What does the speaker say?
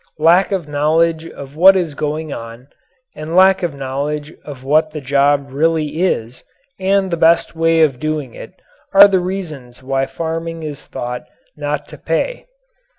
Lack of knowledge of what is going on and lack of knowledge of what the job really is and the best way of doing it are the reasons why farming is thought not to pay.